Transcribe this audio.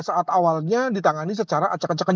saat awalnya ditangani secara acak acakan